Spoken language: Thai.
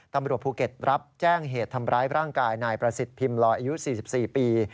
ตำรวจภูเก็ตรับแจ้งเหตุทำร้ายร่างกายนายประสิทธิ์พิมพ์ลอยอายุ๔๔ปี